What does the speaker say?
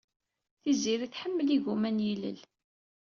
Tiziri tḥemmel igumma n yilel.